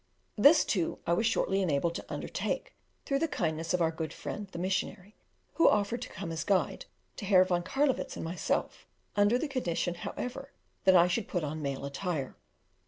This, too, I was shortly enabled to undertake through the kindness of our good friend the missionary, who offered to come as guide to Herr von Carlowitz and myself, under the condition, however, that I should put on male attire.